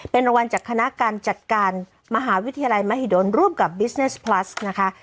เป็นรางวัลจากคณะการจัดการมหาวิทยาลัยมหิดลร่วมกับบิสเนสพลัสนะคะ